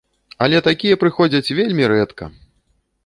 Але такія прыходзяць вельмі рэдка!